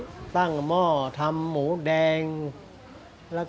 กล่าวค้านถึงกุ้ยเตี๋ยวลุกชิ้นหมูฝีมือลุงส่งมาจนถึงทุกวันนี้นั่นเองค่ะ